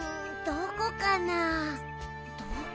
どこかな？